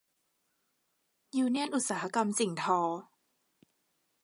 ยูเนี่ยนอุตสาหกรรมสิ่งทอ